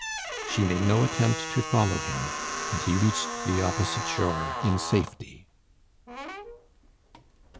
She made no attempt to follow him, and he reached the opposite shore in safety.